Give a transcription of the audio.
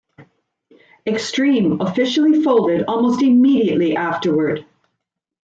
"Extreme" officially folded almost immediately afterward.